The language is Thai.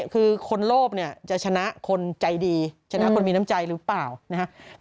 คือคนโลภเนี่ยจะชนะคนใจดีชนะคนมีน้ำใจหรือเปล่านะครับ